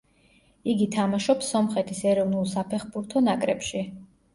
იგი თამაშობს სომხეთის ეროვნულ საფეხბურთო ნაკრებში.